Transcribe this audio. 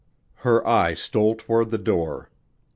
Her eye stole toward the door.